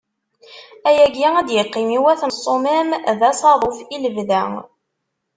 Ayagi ad d-iqqim i wat n Ṣṣumam d asaḍuf i lebda.